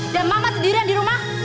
dan mama sendirian di rumah